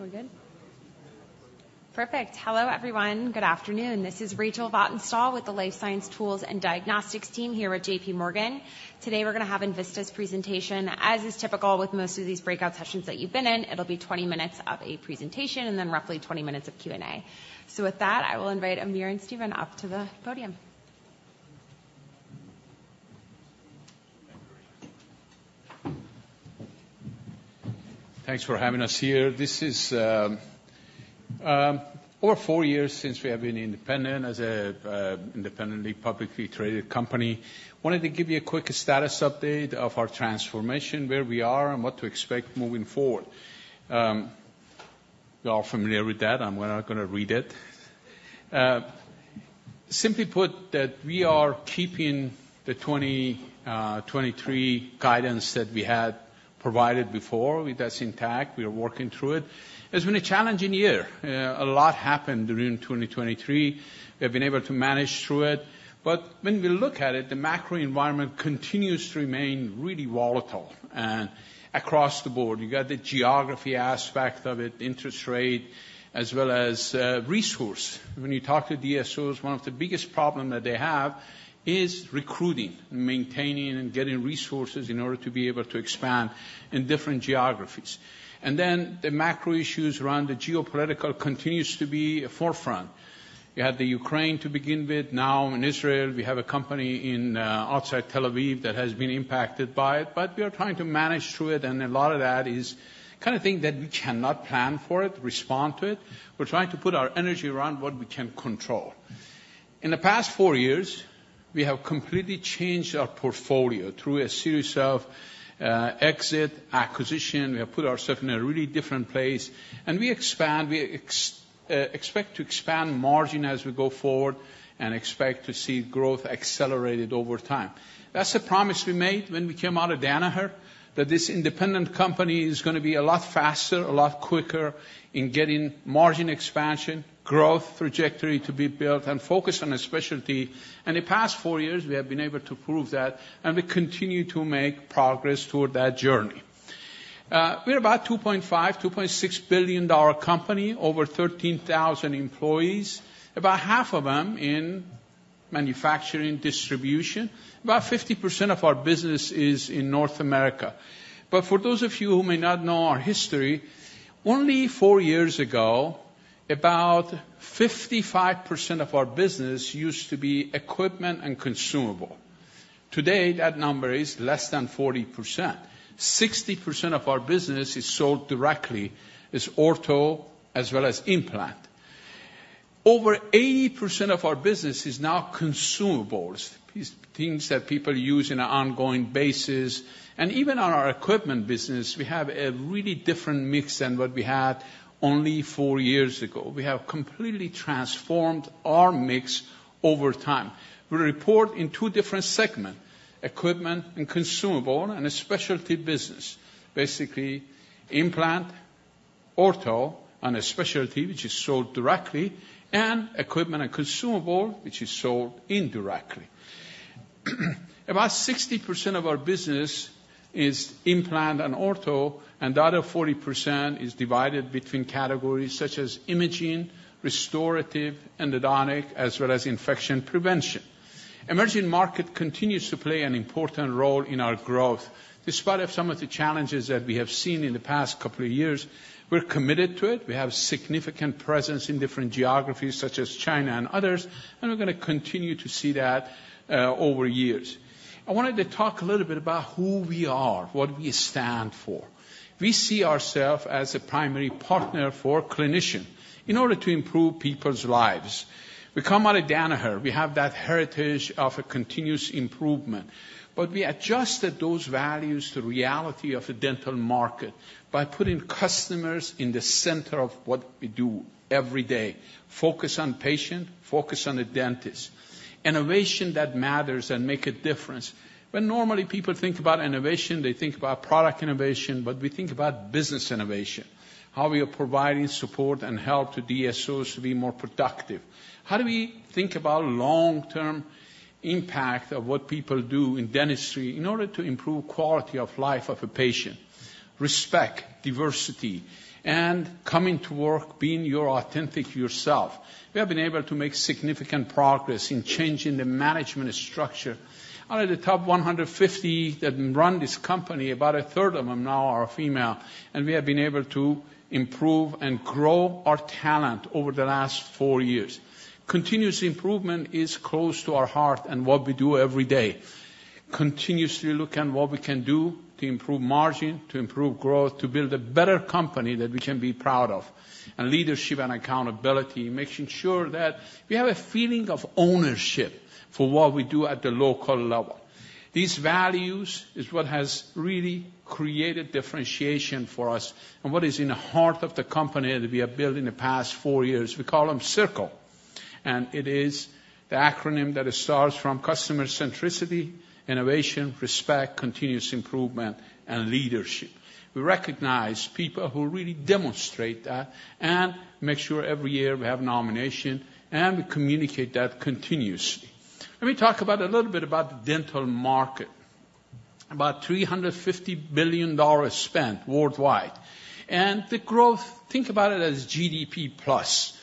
We're good? Perfect. Hello, everyone. Good afternoon. This is Rachel Vatnsdal with the Life Science Tools and Diagnostics team here at J.P. Morgan. Today, we're gonna have Envista's presentation. As is typical with most of these breakout sessions that you've been in, it'll be 20 minutes of a presentation and then roughly 20 minutes of Q&A. So with that, I will invite Amir and Stephen up to the podium. Thanks for having us here. This is over four years since we have been independent as an independently publicly traded company. Wanted to give you a quick status update of our transformation, where we are, and what to expect moving forward. You are familiar with that, I'm not gonna read it. Simply put, that we are keeping the 2023 guidance that we had provided before, that's intact. We are working through it. It's been a challenging year. A lot happened during 2023. We have been able to manage through it. But when we look at it, the macro environment continues to remain really volatile and across the board. You got the geography aspect of it, interest rate, as well as resource. When you talk to DSOs, one of the biggest problem that they have is recruiting, maintaining, and getting resources in order to be able to expand in different geographies. And then the macro issues around the geopolitical continues to be a forefront. You had the Ukraine to begin with, now in Israel, we have a company in outside Tel Aviv that has been impacted by it, but we are trying to manage through it, and a lot of that is kind of thing that we cannot plan for it, respond to it. We're trying to put our energy around what we can control. In the past four years, we have completely changed our portfolio through a series of exit, acquisition. We have put ourselves in a really different place, and we expect to expand margin as we go forward and expect to see growth accelerated over time. That's a promise we made when we came out of Danaher, that this independent company is gonna be a lot faster, a lot quicker in getting margin expansion, growth trajectory to be built and focused on a specialty. In the past four years, we have been able to prove that, and we continue to make progress toward that journey. We're about $2.5-$2.6 billion company, over 13,000 employees, about half of them in manufacturing, distribution. About 50% of our business is in North America. But for those of you who may not know our history, only four years ago, about 55% of our business used to be equipment and consumable. Today, that number is less than 40%. 60% of our business is sold directly, is ortho as well as implant. Over 80% of our business is now consumables, is things that people use on an ongoing basis, and even on our equipment business, we have a really different mix than what we had only 4 years ago. We have completely transformed our mix over time. We report in 2 different segments, equipment and consumable, and a specialty business. Basically, implant, ortho, and a specialty which is sold directly, and equipment and consumable, which is sold indirectly. About 60% of our business is implant and ortho, and the other 40% is divided between categories such as imaging, restorative, endodontic, as well as infection prevention. Emerging market continues to play an important role in our growth. Despite some of the challenges that we have seen in the past couple of years, we're committed to it. We have significant presence in different geographies, such as China and others, and we're gonna continue to see that over years. I wanted to talk a little bit about who we are, what we stand for. We see ourselves as a primary partner for clinician in order to improve people's lives. We come out of Danaher. We have that heritage of a continuous improvement, but we adjusted those values to reality of a dental market by putting customers in the center of what we do every day. Focus on patient, focus on the dentist. Innovation that matters and make a difference. When normally people think about innovation, they think about product innovation, but we think about business innovation, how we are providing support and help to DSOs to be more productive. How do we think about long-term impact of what people do in dentistry in order to improve quality of life of a patient? Respect, diversity, and coming to work, being your authentic self. We have been able to make significant progress in changing the management structure. Out of the top 150 that run this company, about a third of them now are female, and we have been able to improve and grow our talent over the last four years. Continuous improvement is close to our heart and what we do every day. Continuously look at what we can do to improve margin, to improve growth, to build a better company that we can be proud of, and leadership and accountability, making sure that we have a feeling of ownership for what we do at the local level. These values is what has really created differentiation for us and what is in the heart of the company that we have built in the past four years. We call them CIRCLE, and it is the acronym that starts from customer centricity, innovation, respect, continuous improvement, and leadership. We recognize people who really demonstrate that and make sure every year we have nomination, and we communicate that continuously. Let me talk about a little bit about the dental market. About $350 billion spent worldwide, and the growth, think about it as GDP plus.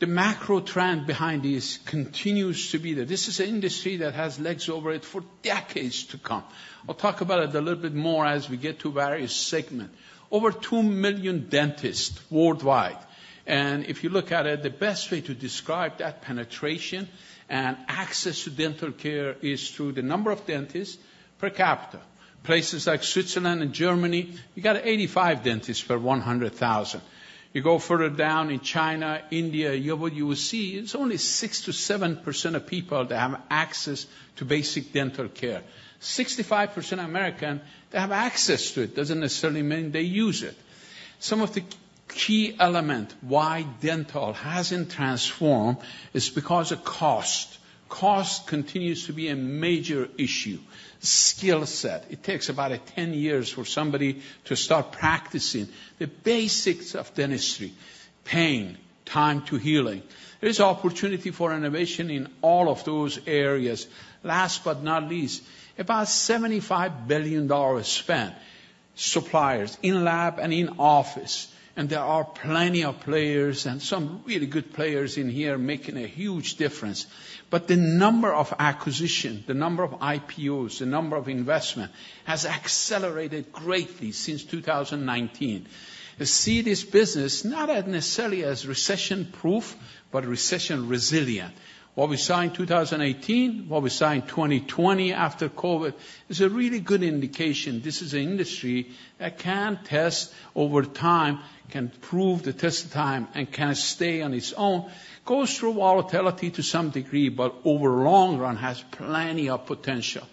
The macro trend behind this continues to be that this is an industry that has legs over it for decades to come. I'll talk about it a little bit more as we get to various segment. Over 2 million dentists worldwide, and if you look at it, the best way to describe that penetration and access to dental care is through the number of dentists per capita. Places like Switzerland and Germany, you got 85 dentists per 100,000. You go further down in China, India, you, what you will see is only 6%-7% of people that have access to basic dental care. 65% American, they have access to it, doesn't necessarily mean they use it. Some of the key element why dental hasn't transformed is because of cost. Cost continues to be a major issue. Skill set. It takes about 10 years for somebody to start practicing the basics of dentistry, pain, time to healing. There's opportunity for innovation in all of those areas. Last but not least, about $75 billion spent, suppliers in-lab and in-office, and there are plenty of players and some really good players in here making a huge difference. But the number of acquisition, the number of IPOs, the number of investment has accelerated greatly since 2019. You see this business not as necessarily as recession-proof, but recession-resilient. What we saw in 2018, what we saw in 2020 after COVID, is a really good indication this is an industry that can test over time, can prove the test of time, and can stay on its own. Goes through volatility to some degree, but over long run, has plenty of potential.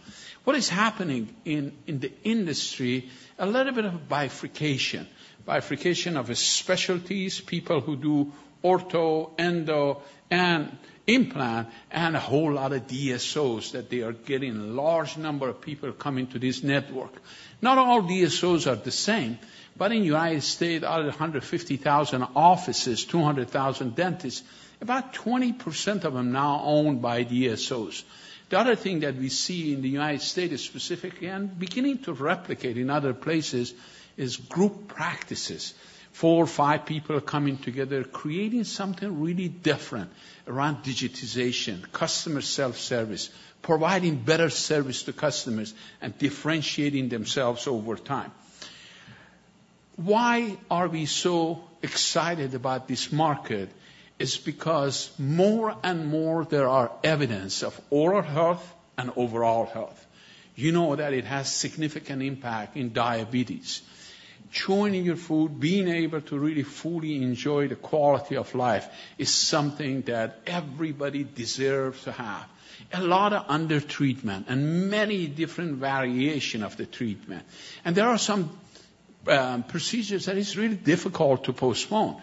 What is happening in the industry, a little bit of bifurcation. Bifurcation of specialties, people who do ortho, endo, and implant, and a whole lot of DSOs, that they are getting large number of people coming to this network. Not all DSOs are the same, but in United States, out of 150,000 offices, 200,000 dentists, about 20% of them are now owned by DSOs. The other thing that we see in the United States specifically, and beginning to replicate in other places, is group practices. four or five people coming together, creating something really different around digitization, customer self-service, providing better service to customers, and differentiating themselves over time. Why are we so excited about this market? It's because more and more there are evidence of oral health and overall health. You know that it has significant impact in diabetes. Chewing your food, being able to really fully enjoy the quality of life is something that everybody deserves to have. A lot of undertreatment and many different variation of the treatment, and there are some procedures that is really difficult to postpone.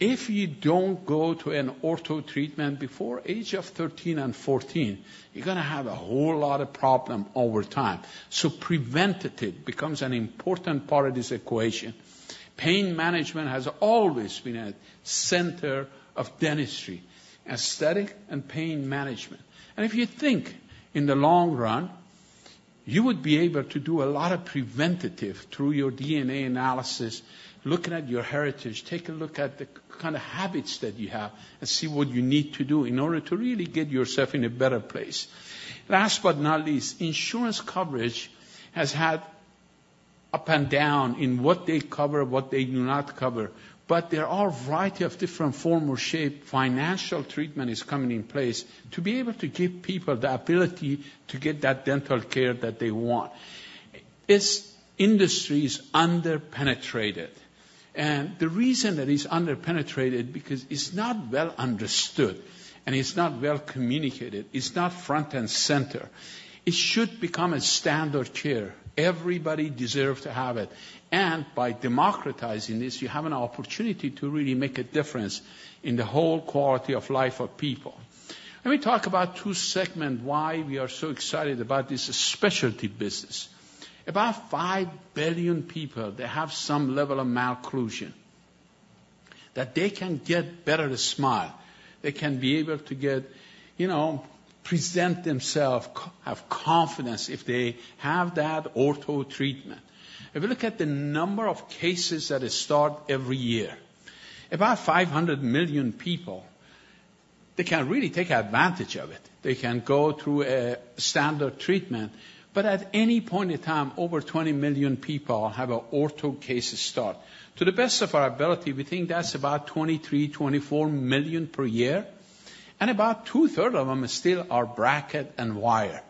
If you don't go to an ortho treatment before age of 13 and 14, you're gonna have a whole lot of problem over time. So preventative becomes an important part of this equation. Pain management has always been at center of dentistry, aesthetic and pain management. And if you think in the long run, you would be able to do a lot of preventative through your DNA analysis, looking at your heritage, take a look at the kind of habits that you have and see what you need to do in order to really get yourself in a better place. Last but not least, insurance coverage has had up and down in what they cover, what they do not cover, but there are a variety of different form or shape. Financial treatment is coming in place to be able to give people the ability to get that dental care that they want. This industry is underpenetrated, and the reason that it's underpenetrated, because it's not well understood, and it's not well communicated. It's not front and center. It should become a standard care. Everybody deserves to have it, and by democratizing this, you have an opportunity to really make a difference in the whole quality of life of people. Let me talk about two segment, why we are so excited about this specialty business. About 5 billion people, they have some level of malocclusion, that they can get better smile. They can be able to get, you know, present themselves, have confidence if they have that ortho treatment. If you look at the number of cases that start every year, about 500 million people, they can really take advantage of it. They can go through a standard treatment, but at any point in time, over 20 million people have an ortho case start. To the best of our ability, we think that's about 23-24 million per year, and about two-thirds of them still are bracket and wire.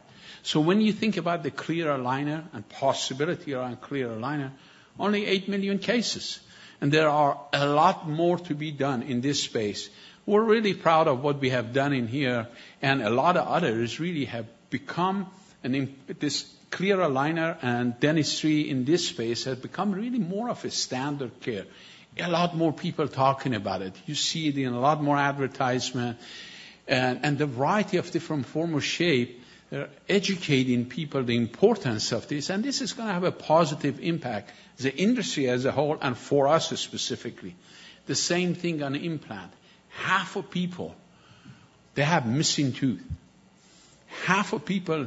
So when you think about the clear aligner and possibility around clear aligner, only 8 million cases, and there are a lot more to be done in this space. We're really proud of what we have done in here, and a lot of others really have become this clear aligner and dentistry in this space has become really more of a standard care. A lot more people talking about it. You see it in a lot more advertisement, and the variety of different form or shape, they're educating people the importance of this, and this is gonna have a positive impact, the industry as a whole, and for us specifically. The same thing on implant. Half of people, they have missing tooth. Half of people,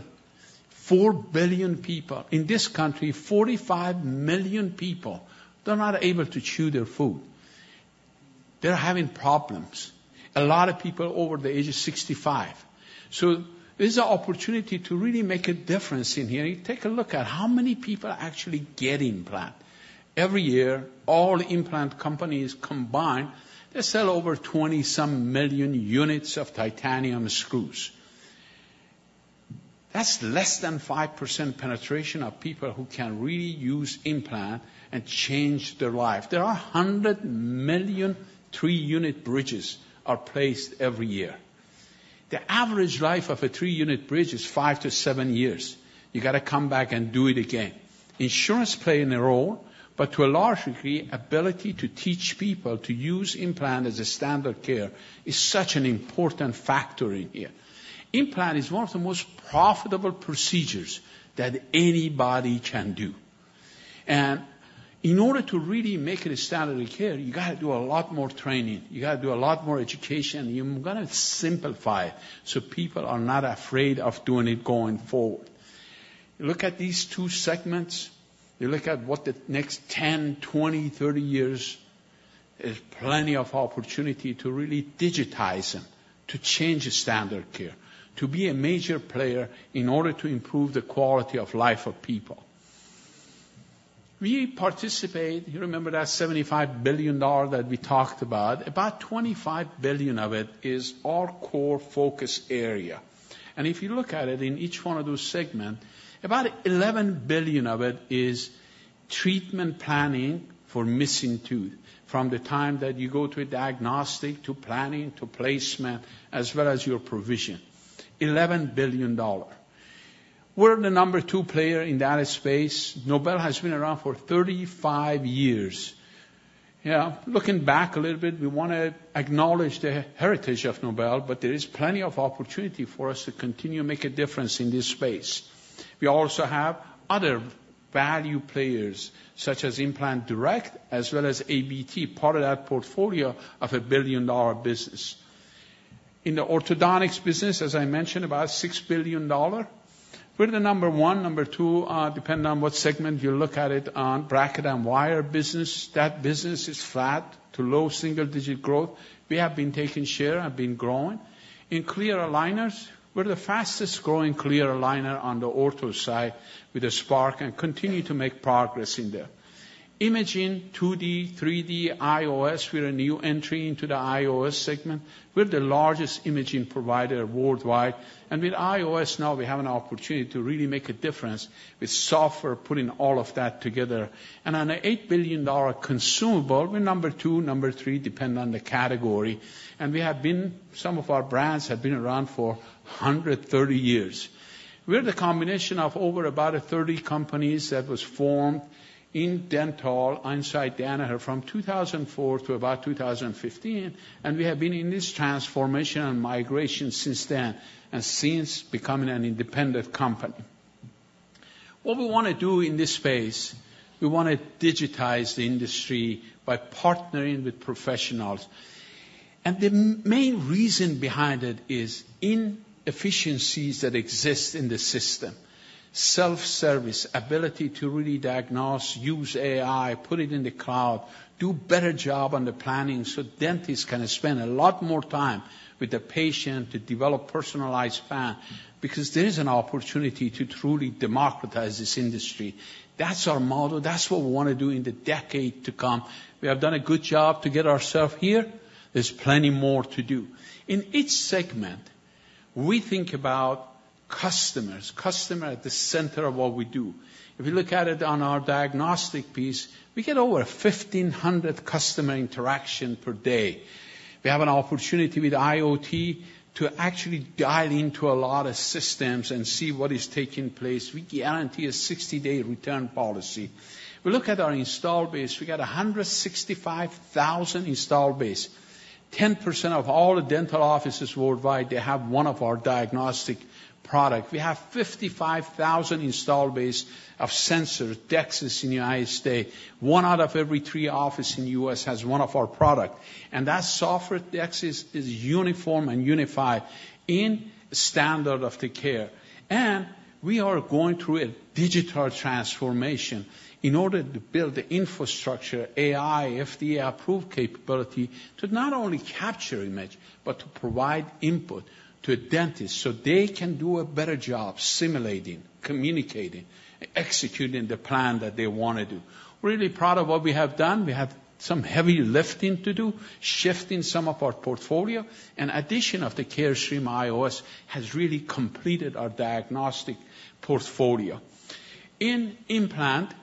four billion people, in this country, 45 million people, they're not able to chew their food. They're having problems, a lot of people over the age of 65. So this is an opportunity to really make a difference in here. You take a look at how many people are actually getting implant. Every year, all implant companies combined, they sell over 20 million units of titanium screws. That's less than 5% penetration of people who can really use implant and change their life. There are 100 million 3-unit bridges are placed every year. The average life of a 3-unit bridge is five to seven years. You gotta come back and do it again. Insurance play in a role, but to a large degree, ability to teach people to use implant as a standard care is such an important factor in here. Implant is one of the most profitable procedures that anybody can do. In order to really make it a standard of care, you gotta do a lot more training, you gotta do a lot more education, and you gotta simplify it so people are not afraid of doing it going forward. You look at these two segments, you look at what the next 10, 20, 30 years, there's plenty of opportunity to really digitize them, to change the standard care, to be a major player in order to improve the quality of life of people. We participate... You remember that $75 billion that we talked about? About $25 billion of it is our core focus area. And if you look at it, in each one of those segment, about $11 billion of it is treatment planning for missing tooth, from the time that you go to a diagnostic, to planning, to placement, as well as your provisiona. $11 billion. We're the number two player in that space. Nobel has been around for 35 years. Yeah, looking back a little bit, we wanna acknowledge the heritage of Nobel, but there is plenty of opportunity for us to continue to make a difference in this space. We also have other value players, such as Implant Direct, as well as ABT, part of that portfolio of a billion-dollar business. In the orthodontics business, as I mentioned, about $6 billion. We're the number one, number two, depending on what segment you look at it on. Bracket and wire business, that business is flat to low single-digit growth. We have been taking share and been growing. In clear aligners, we're the fastest-growing clear aligner on the ortho side with the Spark and continue to make progress in there. Imaging, 2D, 3D, IOS, we're a new entry into the IOS segment. We're the largest imaging provider worldwide, and with IOS now, we have an opportunity to really make a difference with software, putting all of that together. On an $8 billion consumable, we're No. 2, No. 3, depending on the category, and we have been—Some of our brands have been around for 130 years. We're the combination of over about 30 companies that was formed in dental inside Danaher from 2004 to about 2015, and we have been in this transformation and migration since then, and since becoming an independent company. What we wanna do in this space, we wanna digitize the industry by partnering with professionals. And the main reason behind it is inefficiencies that exist in the system. Self-service, ability to really diagnose, use AI, put it in the cloud, do a better job on the planning so dentists can spend a lot more time with the patient to develop personalized plan, because there is an opportunity to truly democratize this industry. That's our model. That's what we wanna do in the decade to come. We have done a good job to get ourselves here. There's plenty more to do. In each segment, we think about customers, customer at the center of what we do. If you look at it on our diagnostic piece, we get over 1,500 customer interactions per day. We have an opportunity with IoT to actually dive into a lot of systems and see what is taking place. We guarantee a 60-day return policy. We look at our install base, we got a 165,000 install base. 10% of all the dental offices worldwide, they have one of our diagnostic products. We have 55,000 installed base of sensors, DEXIS, in the United States. One out of every three offices in the U.S. has one of our products, and that software, DEXIS, is uniform and unified in the standard of care. We are going through a digital transformation in order to build the infrastructure, AI, FDA-approved capability, to not only capture images, but to provide input to a dentist, so they can do a better job simulating, communicating, executing the plan that they wanna do. Really proud of what we have done. We have some heavy lifting to do, shifting some of our portfolio, and addition of the Carestream IOS has really completed our diagnostic portfolio. In implants,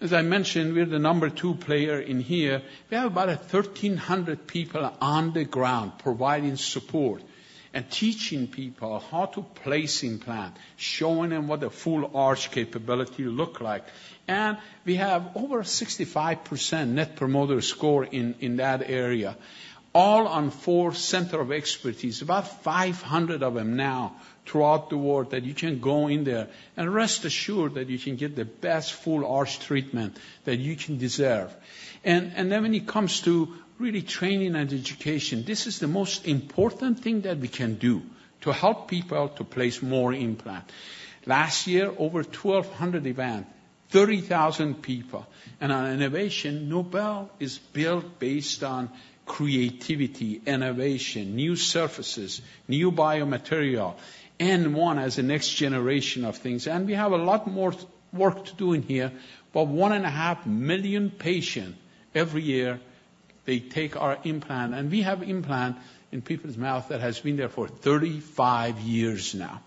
as I mentioned, we're the number two player in here. We have about 1,300 people on the ground providing support and teaching people how to place implant, showing them what a full arch capability look like. And we have over 65% net promoter score in, in that area, All-on-4 center of expertise, about 500 of them now throughout the world, that you can go in there and rest assured that you can get the best full arch treatment that you can deserve. And then when it comes to really training and education, this is the most important thing that we can do to help people to place more implant. Last year, over 1,200 events. 30,000 people. And on innovation, Nobel is built based on creativity, innovation, new surfaces, new biomaterial, and one as a next generation of things. And we have a lot more work to do in here, but 1.5 million patients every year take our implants, and we have implants in people's mouths that have been there for 35 years now.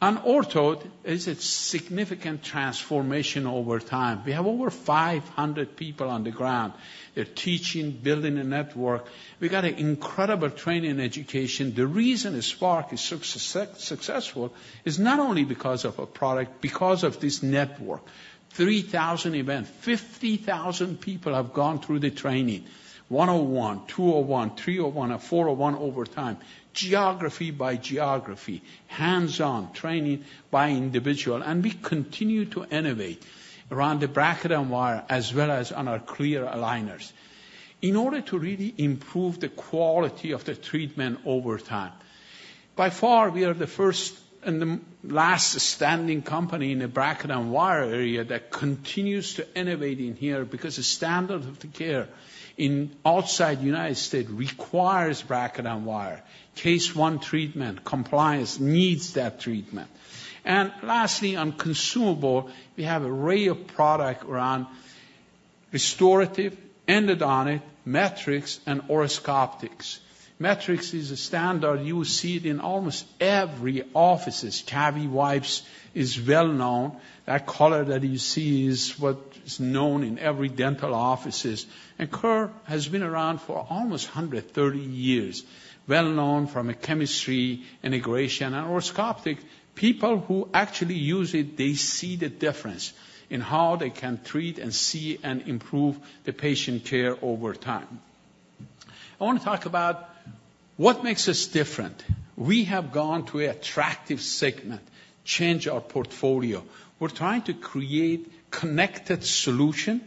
On ortho, there is a significant transformation over time. We have over 500 people on the ground. They're teaching, building a network. We've got an incredible training and education. The reason the Spark is successful is not only because of a product, because of this network. 3,000 events, 50,000 people have gone through the training, 101, 201, 301, and 401 over time, geography by geography, hands-on training by individual. And we continue to innovate around the bracket and wire, as well as on our clear aligners, in order to really improve the quality of the treatment over time. By far, we are the first and the last standing company in the bracket and wire area that continues to innovate in here, because the standard of the care outside the United States requires bracket and wire. Case one treatment, compliance needs that treatment. And lastly, on consumables, we have an array of products around restorative, endodontic, Metrex, and Orascoptic. Metrex is a standard. You will see it in almost every office. CaviWipes is well known. That color that you see is what is known in every dental office, and Kerr has been around for almost 130 years. Well known from a chemistry integration and Orascoptic. People who actually use it, they see the difference in how they can treat and see and improve the patient care over time. I want to talk about what makes us different. We have gone to attractive segment, change our portfolio. We're trying to create connected solution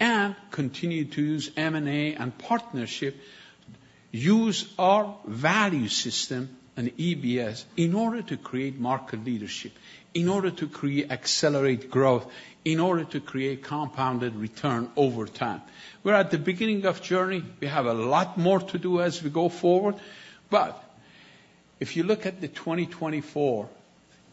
and continue to use M&A and partnership, use our value system and EBS in order to create market leadership, in order to create accelerate growth, in order to create compounded return over time. We're at the beginning of journey. We have a lot more to do as we go forward, but if you look at the 2024,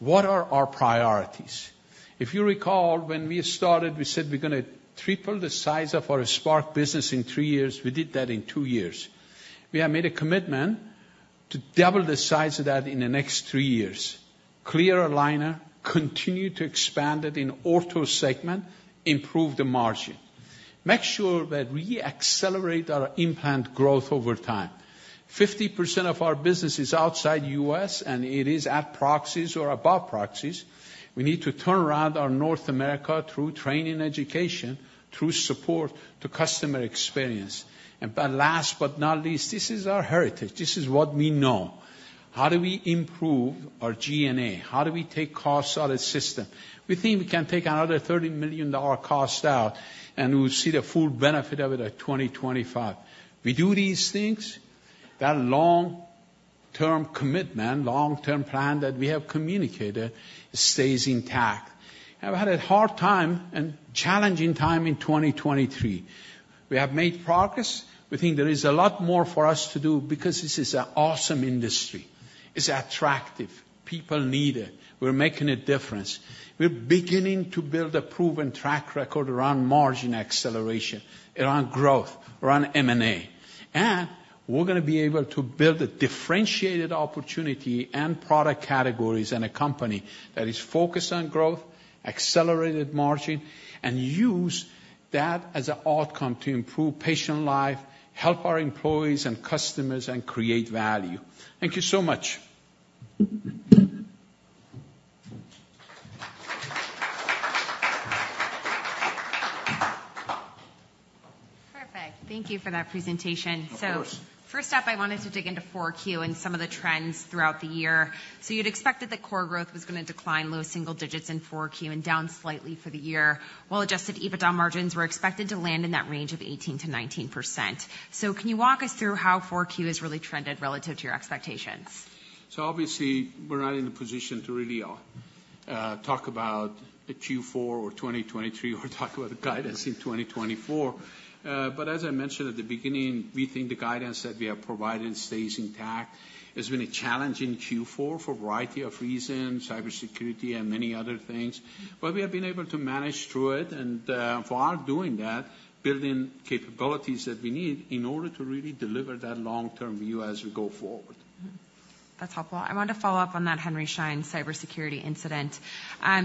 what are our priorities? If you recall, when we started, we said we're gonna triple the size of our Spark business in three years. We did that in two years. We have made a commitment to double the size of that in the next three years. Clear aligner, continue to expand it in ortho segment, improve the margin, make sure that we accelerate our implant growth over time. 50% of our business is outside US, and it is at proxies or above proxies. We need to turn around our North America through training, education, through support to customer experience. And, last but not least, this is our heritage. This is what we know. How do we improve our G&A? How do we take cost out of the system? We think we can take another $30 million cost out, and we'll see the full benefit of it at 2025. We do these things, that long-term commitment, long-term plan that we have communicated stays intact. I've had a hard time and challenging time in 2023. We have made progress. We think there is a lot more for us to do because this is an awesome industry. It's attractive. People need it. We're making a difference. We're beginning to build a proven track record around margin acceleration, around growth, around M&A, and we're gonna be able to build a differentiated opportunity and product categories and a company that is focused on growth, accelerated margin, and use that as an outcome to improve patient life, help our employees and customers, and create value. Thank you so much. Perfect. Thank you for that presentation. Of course. First up, I wanted to dig into Q4 and some of the trends throughout the year. You'd expected that core growth was gonna decline low single digits in Q4 and down slightly for the year, while adjusted EBITDA margins were expected to land in that range of 18%-19%. Can you walk us through how Q4 has really trended relative to your expectations? So obviously, we're not in a position to really talk about the Q4 or 2023 or talk about the guidance in 2024. But as I mentioned at the beginning, we think the guidance that we have provided stays intact. It's been a challenging Q4 for a variety of reasons, cybersecurity and many other things, but we have been able to manage through it and, while doing that, building capabilities that we need in order to really deliver that long-term view as we go forward. Mm-hmm. That's helpful. I wanted to follow up on that Henry Schein cybersecurity incident.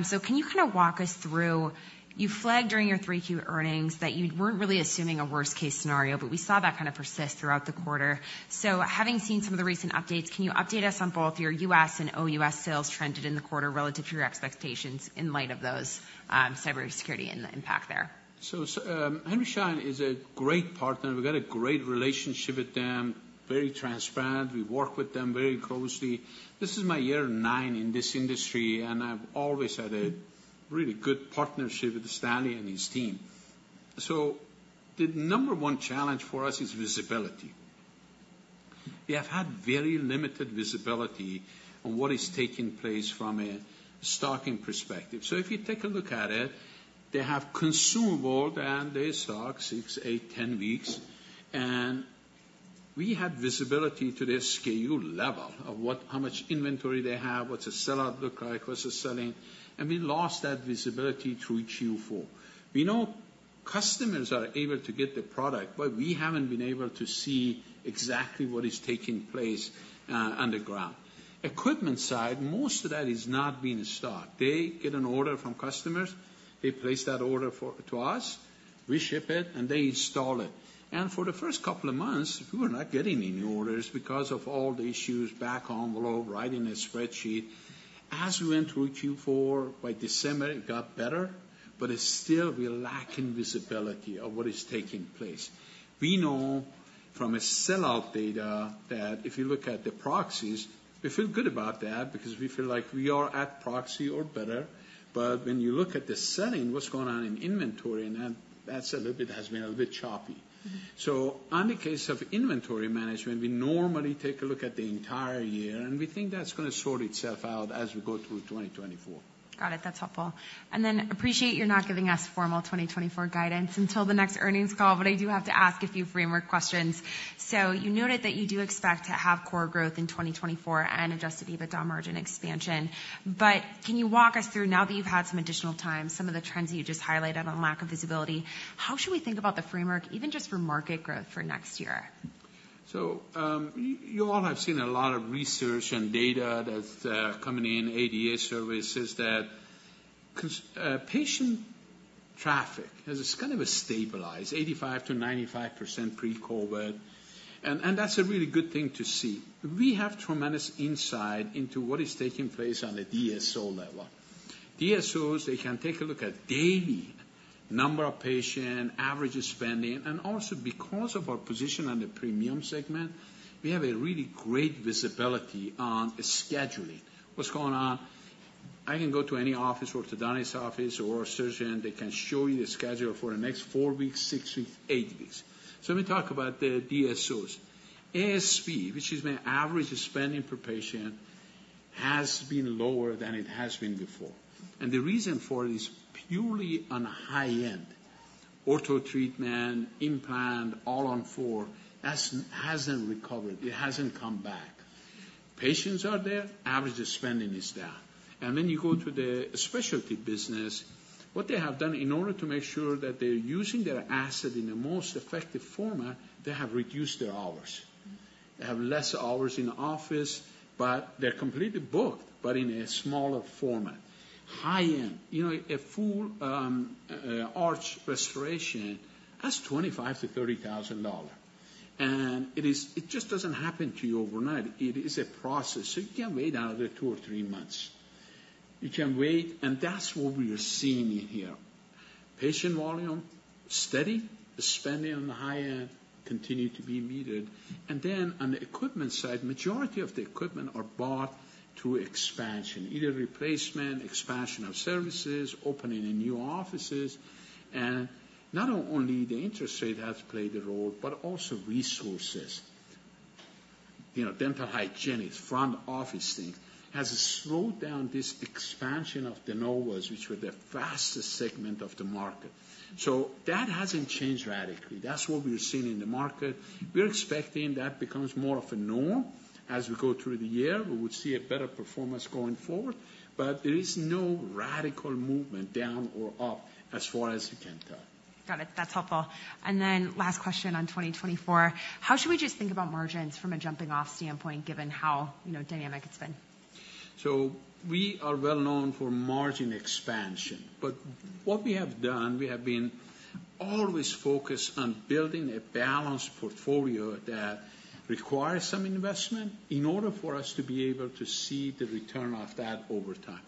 So can you kind of walk us through... You flagged during your 3Q earnings that you weren't really assuming a worst-case scenario, but we saw that kind of persist throughout the quarter. So having seen some of the recent updates, can you update us on both your U.S. and OUS sales trended in the quarter relative to your expectations in light of those cybersecurity and the impact there? So, Henry Schein is a great partner. We've got a great relationship with them, very transparent. We work with them very closely. This is my year nine in this industry, and I've always had a really good partnership with Stanley and his team. So the number one challenge for us is visibility. We have had very limited visibility on what is taking place from a stocking perspective. So if you take a look at it, they have consumable, and they stock 6, 8, 10 weeks, and we had visibility to the SKU level of how much inventory they have, what's the sellout look like, what's the selling, and we lost that visibility through Q4. We know customers are able to get the product, but we haven't been able to see exactly what is taking place on the ground. Equipment side, most of that is not being stocked. They get an order from customers, they place that order to us, we ship it, and they install it. For the first couple of months, we were not getting any orders because of all the issues, back envelope, writing a spreadsheet. As we went through Q4, by December, it got better, but it's still. We are lacking visibility of what is taking place. We know from a sellout data that if you look at the proxies, we feel good about that because we feel like we are at proxy or better. But when you look at the selling, what's going on in inventory, and then that's a little bit has been a little bit choppy. Mm-hmm. On the case of inventory management, we normally take a look at the entire year, and we think that's gonna sort itself out as we go through 2024. Got it. That's helpful. And then I appreciate you're not giving us formal 2024 guidance until the next earnings call, but I do have to ask a few framework questions. So you noted that you do expect to have core growth in 2024 and adjusted EBITDA margin expansion. But can you walk us through, now that you've had some additional time, some of the trends that you just highlighted on lack of visibility, how should we think about the framework, even just for market growth for next year? So, you all have seen a lot of research and data that's coming in, ADA services, patient traffic has kind of stabilized, 85%-95% pre-COVID, and that's a really good thing to see. We have tremendous insight into what is taking place on the DSO level. DSOs, they can take a look at daily number of patient, average spending, and also, because of our position on the premium segment, we have a really great visibility on scheduling. What's going on? I can go to any office, orthodontist office or a surgeon, they can show you the schedule for the next four weeks, six weeks, eight weeks. So let me talk about the DSOs. ASP, which is my average spending per patient, has been lower than it has been before, and the reason for it is purely on high-end. Ortho treatment, implant, All-on-4, hasn't, hasn't recovered. It hasn't come back. Patients are there, average spending is down. When you go to the specialty business, what they have done in order to make sure that they're using their asset in the most effective format, they have reduced their hours. They have less hours in office, but they're completely booked, but in a smaller format. High-end, you know, a full arch restoration, that's $25,000-$30,000, and it is. It just doesn't happen to you overnight. It is a process, so you can wait another two or three months. You can wait, and that's what we are seeing in here. Patient volume, steady. The spending on the high end continue to be muted. And then on the equipment side, majority of the equipment are bought through expansion, either replacement, expansion of services, opening in new offices. And not only the interest rate has played a role, but also resources. You know, dental hygienists, front office things, has slowed down this expansion of the DSOs, which were the fastest segment of the market. So that hasn't changed radically. That's what we're seeing in the market. We're expecting that becomes more of a norm as we go through the year. We would see a better performance going forward, but there is no radical movement down or up as far as we can tell. Got it. That's helpful. And then last question on 2024, how should we just think about margins from a jumping off standpoint, given how, you know, dynamic it's been? So we are well known for margin expansion, but what we have done, we have been always focused on building a balanced portfolio that requires some investment in order for us to be able to see the return of that over time.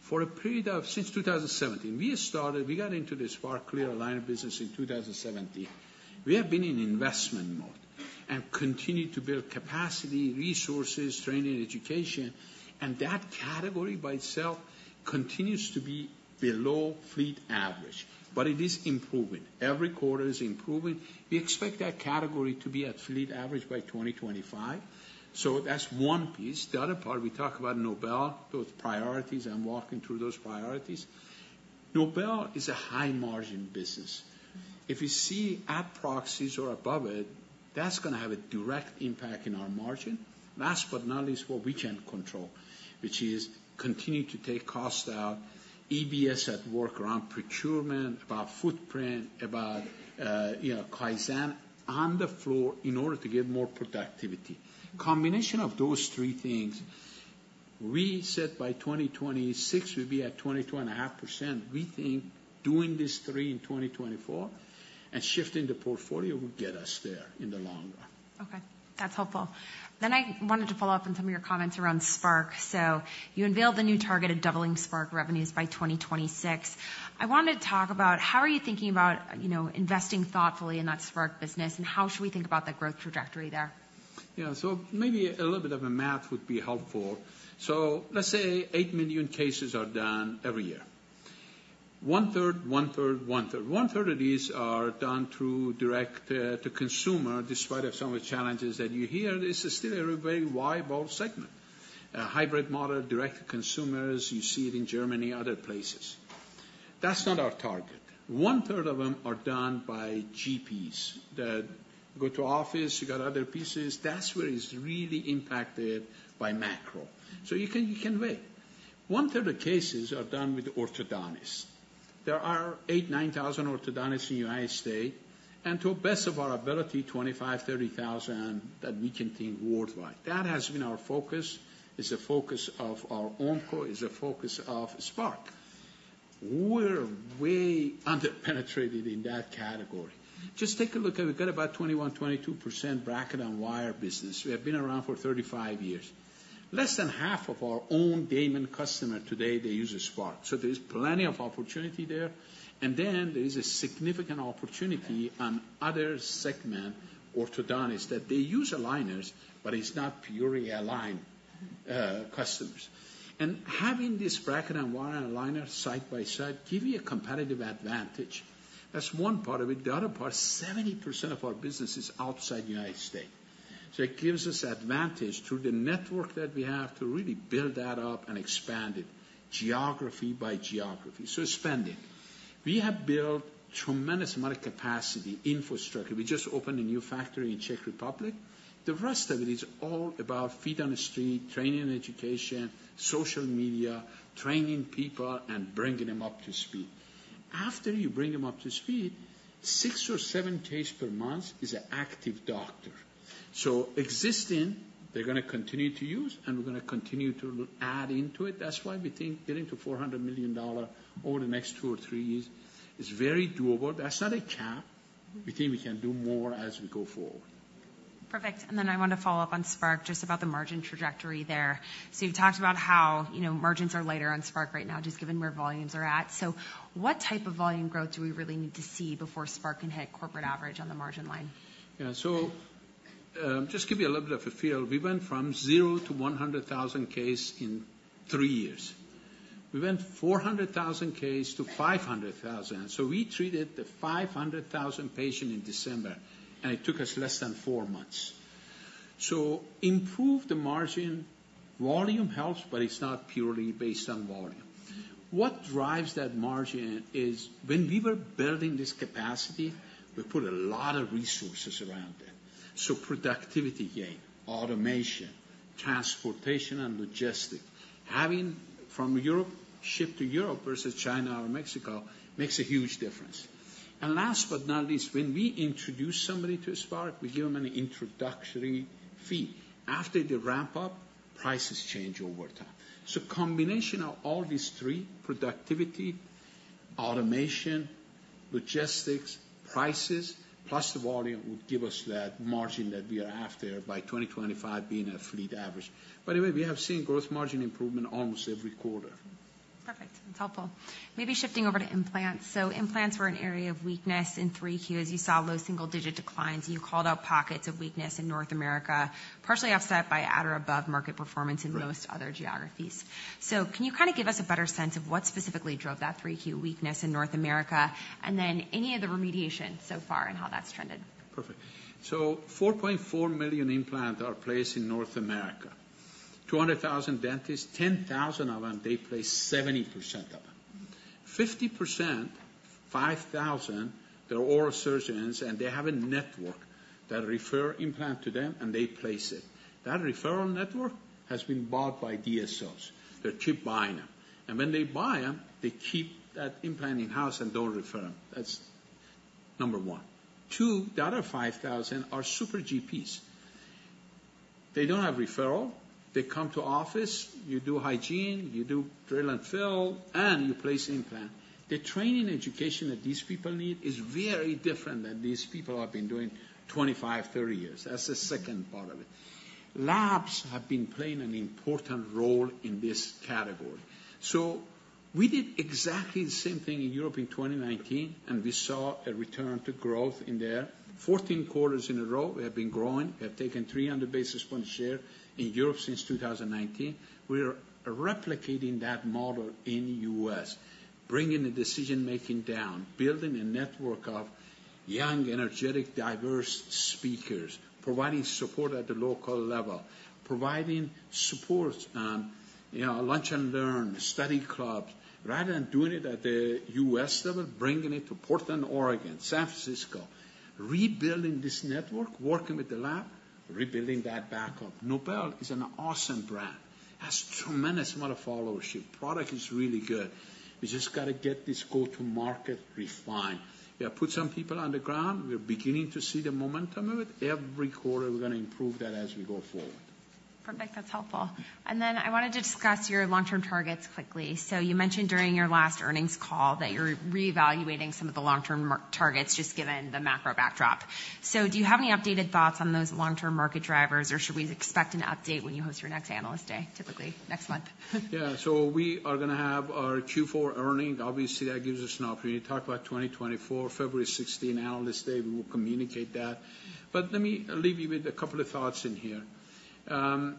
For a period of... Since 2017, we got into the Spark Clear Aligner business in 2017. We have been in investment mode and continued to build capacity, resources, training, and education, and that category by itself continues to be below fleet average, but it is improving. Every quarter is improving. We expect that category to be at fleet average by 2025. So that's one piece. The other part, we talk about Nobel, those priorities and walking through those priorities. Nobel is a high-margin business. If you see at proxies or above it, that's gonna have a direct impact in our margin. Last but not least, what we can control, which is continue to take costs out, EBS at work around procurement, about footprint, about, you know, kaizen on the floor in order to get more productivity. Combination of those three things, we said by 2026, we'd be at 22.5%. We think doing these three in 2024 and shifting the portfolio will get us there in the long run. Okay, that's helpful. Then I wanted to follow up on some of your comments around Spark. So you unveiled the new target of doubling Spark revenues by 2026. I wanted to talk about how are you thinking about, you know, investing thoughtfully in that Spark business, and how should we think about the growth trajectory there? Yeah, so maybe a little bit of a math would be helpful. So let's say 8 million cases are done every year. One-third, one-third, one-third. One-third of these are done through direct to consumer. Despite of some of the challenges that you hear, this is still a very viable segment. A hybrid model, direct to consumers, you see it in Germany, other places. That's not our target. One-third of them are done by GPs, that go to office, you got other pieces. That's where it's really impacted by macro. So you can, you can wait. One-third of cases are done with orthodontists. There are eight or nine thousand orthodontists in United States, and to the best of our ability, 25-30 thousand that we can think worldwide. That has been our focus. It's the focus of our Ormco, it's the focus of Spark. We're way under-penetrated in that category. Just take a look at it. We've got about 21-22% bracket and wire business. We have been around for 35 years. Less than half of our own Damon customers today, they use Spark. So there's plenty of opportunity there, and then there's a significant opportunity on other segment, orthodontists, that they use aligners, but it's not purely Align customers. And having this bracket, and wire, and aligner side by side give you a competitive advantage. That's one part of it. The other part, 70% of our business is outside the United States. So it gives us advantage through the network that we have to really build that up and expand it, geography by geography. So spending. We have built tremendous amount of capacity, infrastructure. We just opened a new factory in Czech Republic. The rest of it is all about feet on the street, training and education, social media, training people, and bringing them up to speed. After you bring them up to speed, six or seven cases per month is an active doctor. So existing, they're gonna continue to use, and we're gonna continue to add into it. That's why we think getting to $400 million over the next two or three years is very doable. That's not a cap. We think we can do more as we go forward. Perfect. And then I want to follow up on Spark, just about the margin trajectory there. So you've talked about how, you know, margins are lighter on Spark right now, just given where volumes are at. So what type of volume growth do we really need to see before Spark can hit corporate average on the margin line? Yeah, so, just give you a little bit of a feel. We went from zero to 100,000 cases in three years. We went 400,000 cases to 500,000. So we treated the 500,000th patient in December, and it took us less than four months. So improve the margin, volume helps, but it's not purely based on volume. What drives that margin is when we were building this capacity, we put a lot of resources around it. So productivity gain, automation, transportation, and logistics. Having from Europe, ship to Europe versus China or Mexico makes a huge difference. And last, but not least, when we introduce somebody to Spark, we give them an introductory fee. After they ramp up, prices change over time. So combination of all these three, productivity, automation, logistics, prices, plus the volume, will give us that margin that we are after by 2025 being a fleet average. By the way, we have seen gross margin improvement almost every quarter. Perfect. That's helpful. Maybe shifting over to implants. Implants were an area of weakness in 3Q, as you saw low single-digit declines. You called out pockets of weakness in North America, partially offset by at or above-market performance- Right... in most other geographies. Can you kind of give us a better sense of what specifically drove that 3Q weakness in North America? And then any of the remediation so far and how that's trended. Perfect. So 4.4 million implants are placed in North America. 200,000 dentists, 10,000 of them, they place 70% of them. 50%, 5,000, they're oral surgeons, and they have a network that refers implants to them, and they place it. That referral network has been bought by DSOs. They keep buying them, and when they buy them, they keep that implant in-house and don't refer them. That's number one. Two, the other 5,000 are super GPs. They don't have referral. They come to office, you do hygiene, you do drill and fill, and you place implant. The training education that these people need is very different than these people have been doing 25, 30 years. That's the second part of it. Labs have been playing an important role in this category. So we did exactly the same thing in Europe in 2019, and we saw a return to growth in there. 14 quarters in a row, we have been growing. We have taken 300 basis points share in Europe since 2019. We are replicating that model in U.S., bringing the decision-making down, building a network of young, energetic, diverse speakers, providing support at the local level, providing support, you know, lunch and learn, study clubs, rather than doing it at the U.S. level, bringing it to Portland, Oregon, San Francisco, rebuilding this network, working with the lab, rebuilding that back up. Nobel is an awesome brand. Has tremendous amount of followership. Product is really good. We just got to get this go-to market refined. We have put some people on the ground. We're beginning to see the momentum of it. Every quarter, we're gonna improve that as we go forward. Perfect. That's helpful. Then I wanted to discuss your long-term targets quickly. You mentioned during your last earnings call that you're reevaluating some of the long-term market targets, just given the macro backdrop. Do you have any updated thoughts on those long-term market drivers, or should we expect an update when you host your next Analyst Day, typically next month? Yeah. So we are gonna have our Q4 earnings. Obviously, that gives us an opportunity to talk about 2024, February 16, Analyst Day. We will communicate that. But let me leave you with a couple of thoughts in here. Doubling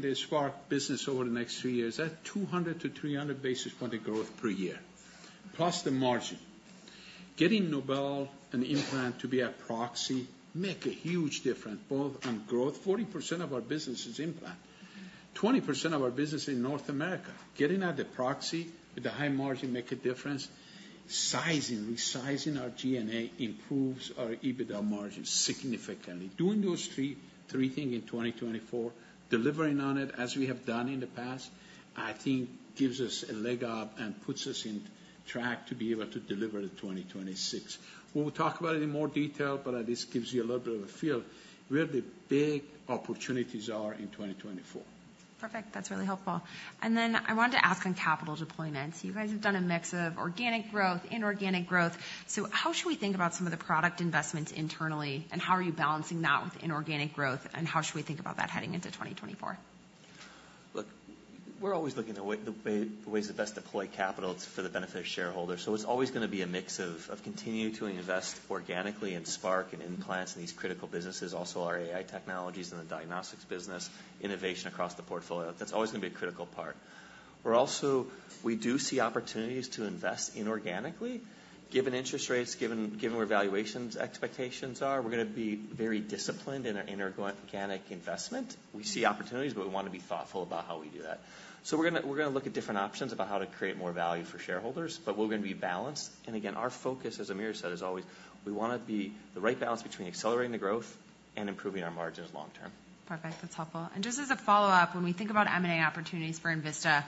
the Spark business over the next three years, at 200-300 basis points of growth per year, plus the margin. Getting Nobel and implant to be a proxy make a huge difference, both on growth, 40% of our business is implant, 20% of our business in North America. Getting out the proxy with the high margin make a difference. Sizing, resizing our G&A improves our EBITDA margin significantly. Doing those three things in 2024, delivering on it as we have done in the past, I think gives us a leg up and puts us on track to be able to deliver in 2026. We'll talk about it in more detail, but at least gives you a little bit of a feel where the big opportunities are in 2024. Perfect. That's really helpful. And then I wanted to ask on capital deployments. You guys have done a mix of organic growth, inorganic growth. So how should we think about some of the product investments internally, and how are you balancing that with inorganic growth, and how should we think about that heading into 2024? Look, we're always looking at the ways to best deploy capital for the benefit of shareholders. So it's always gonna be a mix of continuing to invest organically in Spark and implants and these critical businesses, also our AI technologies and the diagnostics business, innovation across the portfolio. That's always gonna be a critical part. We're also. We do see opportunities to invest inorganically, given interest rates, given where valuations expectations are, we're gonna be very disciplined in our inorganic investment. We see opportunities, but we wanna be thoughtful about how we do that. So we're gonna look at different options about how to create more value for shareholders, but we're gonna be balanced. And again, our focus, as Amir said, is always we wanna be the right balance between accelerating the growth and improving our margins long term. Perfect. That's helpful. Just as a follow-up, when we think about M&A opportunities for Envista,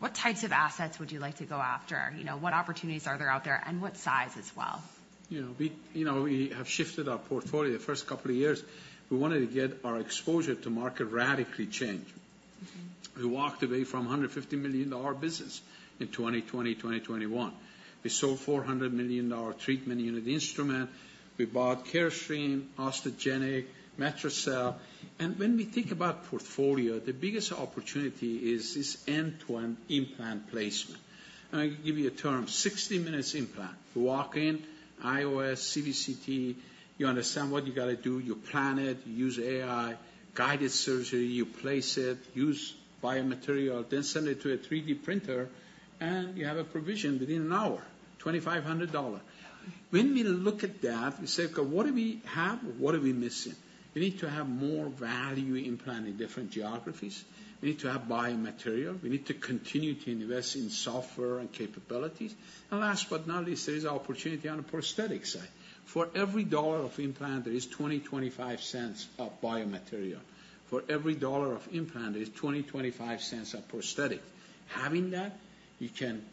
what types of assets would you like to go after? You know, what opportunities are there out there, and what size as well? You know, you know, we have shifted our portfolio. The first couple of years, we wanted to get our exposure to market radically change. Mm-hmm. We walked away from a $150 million business in 2020, 2021. We sold $400 million treatment unit instrument. We bought Carestream, Osteogenics, Matricel. When we think about portfolio, the biggest opportunity is this end-to-end implant placement. I can give you a term, 60 minutes implant. You walk in, IOS, CBCT, you understand what you got to do, you plan it, you use AI, guided surgery, you place it, use biomaterial, then send it to a 3D printer, and you have a provision within an hour, $2,500. When we look at that, we say, "Okay, what do we have? What are we missing?" We need to have more value implant in different geographies. We need to have biomaterial. We need to continue to invest in software and capabilities. And last but not least, there is opportunity on the prosthetic side. For every dollar of implant, there is 20-25 cents of biomaterial. For every dollar of implant, there is 20-25 cents of prosthetic. Having that, you can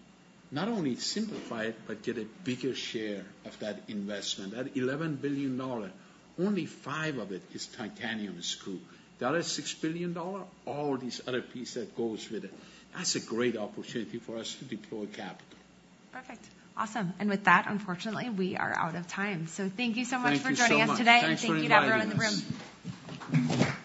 not only simplify it, but get a bigger share of that investment. That $11 billion, only $5 billion of it is titanium screw. The other $6 billion, all these other pieces that goes with it. That's a great opportunity for us to deploy capital. Perfect. Awesome. With that, unfortunately, we are out of time. Thank you so much for joining us today- Thank you so much. Thank you to everyone in the room.